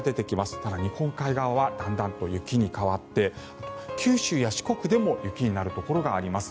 ただ、日本海側はだんだんと雪に変わって九州や四国でも雪になるところがあります。